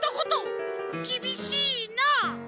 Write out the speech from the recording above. きびしいな！